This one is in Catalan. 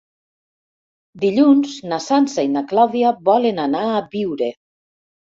Dilluns na Sança i na Clàudia volen anar a Biure.